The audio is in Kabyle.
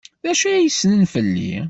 D acu ay ssnen fell-i?